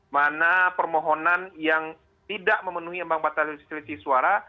mana permohonan yang tidak memenuhi ambang batas selisih suara